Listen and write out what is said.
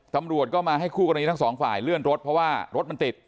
ตำรวจก็มาให้คู่กรณีทั้งสองฝ่ายเลื่อนรถเพราะว่ารถมันติด